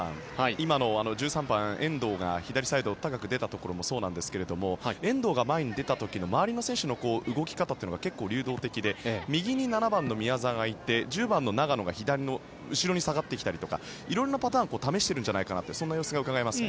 今の１３番、遠藤が左サイド高く出たところもそうなんですが遠藤が前に出た時の周りの選手の動き方が結構、流動的で右に７番の宮澤がいて１０番の長野が左の後ろに下がってきたりとか色んなパターンを試してるんじゃないかなってそんな様子がうかがえます。